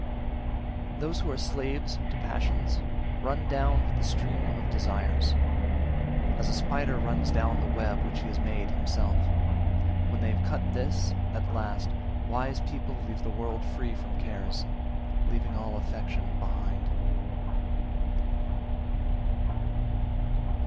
347. Those who are slaves to passions, run down with the stream (of desires), as a spider runs down the web which he has made himself; when they have cut this, at last, wise people leave the world free from cares, leaving all affection behind.